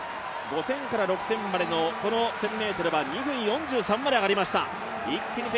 ５０００から６０００までの１０００ｍは２分４３まで上がりました。